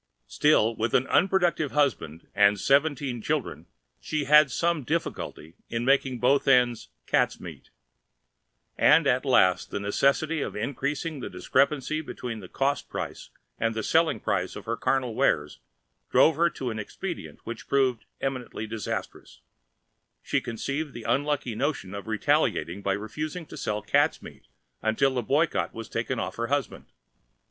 Still, with an unproductive husband and seventeen children she had some difficulty in making both ends cats' meat; and at last the necessity of increasing the discrepancy between the cost price and the selling price of her carnal wares drove her to an expedient which proved eminently disastrous: she conceived the unlucky notion of retaliating by refusing to sell cats' meat until the boycott was taken off her husband.